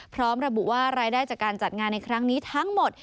พร้อมระบุว่ารายได้จากการจัดงานในครั้งนี้ทั้งหมด